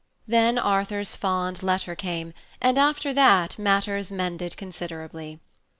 Then Arthur's fond letter came, and after that matters mended considerably.